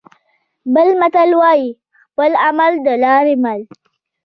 بل متل وايي: خپل عمل د لارې مل.